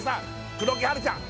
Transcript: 黒木華ちゃん